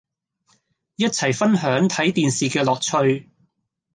一齊分享睇電視嘅樂趣